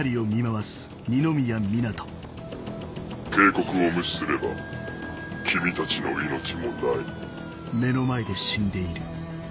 警告を無視すれば君たちの命もない。